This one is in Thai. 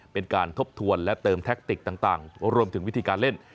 เป็นการทบทวนและเติมแท็กติกต่างรวมถึงวิธีการเล่น